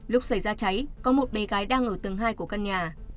lúc xảy ra cháy có một bé gái đang ở tầng hai của căn nhà